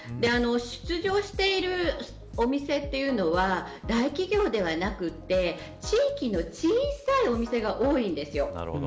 出場しているお店というのは大企業ではなくて地域の小さいお店が多いんです。